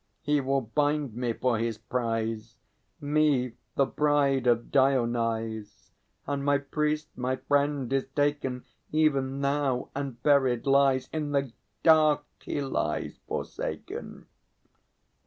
He will bind me for his prize, Me, the Bride of Dionyse; And my priest, my friend, is taken Even now, and buried lies; In the dark he lies forsaken!